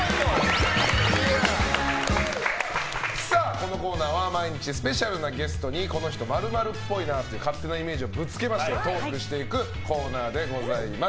このコーナーは毎日スペシャルなゲストにこの人○○っぽいなという勝手なイメージをぶつけましてトークしていくコーナーでございます。